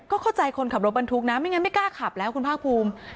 เข้าใจคนขับรถบรรทุกนะไม่งั้นไม่กล้าขับแล้วคุณภาคภูมิ